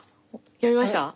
読みました。